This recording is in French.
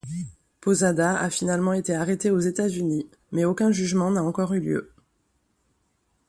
Posada a finalement été arrêté aux États-Unis, mais aucun jugement n'a encore eu lieu.